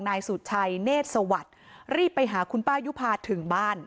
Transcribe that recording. นายสุชัยเนธสวัสดิ์รีบไปหาคุณป้ายุภาถึงบ้าน